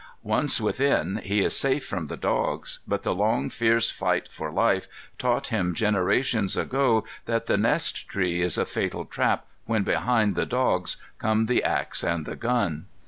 Once within, he is safe from the dogs, but the long fierce fight for life taught him generations ago that the nest tree is a fatal trap when behind the dogs come the axe and the gun.